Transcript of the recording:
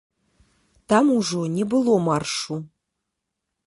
Там ужо не было маршу.